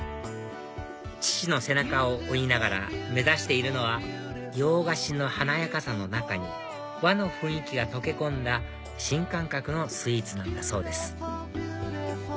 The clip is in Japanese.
父の背中を追いながら目指しているのは洋菓子の華やかさの中に和の雰囲気が溶け込んだ新感覚のスイーツなんだそうです